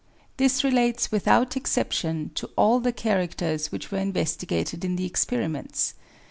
This relates without exception to all the characters which were investigated in the experiments.